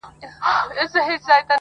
څومره له حباب سره ياري کوي~